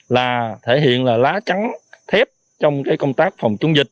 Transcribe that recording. là thể hiện là lá trắng thép trong công tác phòng chống dịch